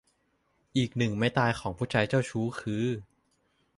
อีกหนึ่งไม้ตายของผู้ชายเจ้าชู้คือ